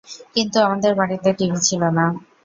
কিন্তু আমাদের বাড়িতে টিভি ছিল না।